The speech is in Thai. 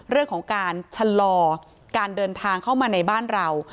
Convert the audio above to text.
เรื่องของการชะลอการเดินทางเข้ามาในบ้านเรา